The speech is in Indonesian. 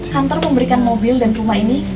kantor memberikan mobil dan rumah ini